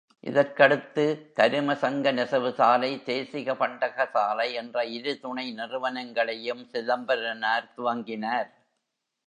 இதற்கடுத்து, தரும சங்க நெசவு சாலை, தேசிய பண்டக சாலை என்ற இரு துணை நிறுவனங்களையும் சிதம்பரனார் துவங்கினார்.